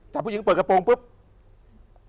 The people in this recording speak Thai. ถ้าผู้หญิงเปิดกระโปรงปุ๊บ